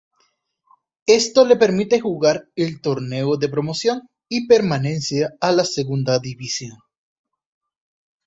Esto le permite jugar el Torneo de Promoción y Permanencia a la Segunda División.